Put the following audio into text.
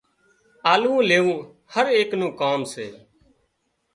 آللون ليوون هر ايڪ نُون ڪام سي